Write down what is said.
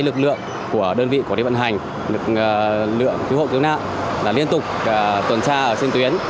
lực lượng của đơn vị của điện vận hành lực lượng cứu hộ cứu nạn liên tục tuần tra ở trên tuyến